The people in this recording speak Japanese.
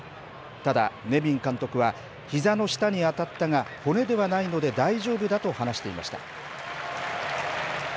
ただ、ネビン監督は、ひざの下に当たったが、骨ではないので大丈夫だと話していました。